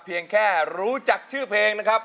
เพียงแค่รู้จักชื่อเพลงนะครับ